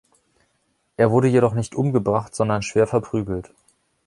Er wurde jedoch nicht umgebracht, sondern schwer verprügelt.